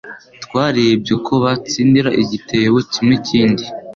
Twarebye ko batsindira igitebo kimwekindi.